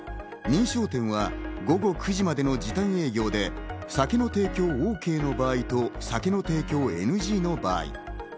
認証店は午後９時までの時短営業で、酒の提供ＯＫの場合と、酒の提供ＮＧの場合。